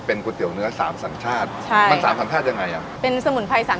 เป็นกูเตี๋ยวเนื้อสามสัญชาติ